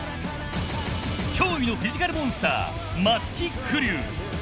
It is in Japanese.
驚異のフィジカルモンスター松木玖生。